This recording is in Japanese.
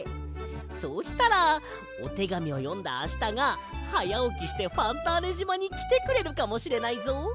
そうしたらおてがみをよんだあしたがはやおきしてファンターネじまにきてくれるかもしれないぞ。